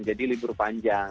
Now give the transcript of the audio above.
jadi libur panjang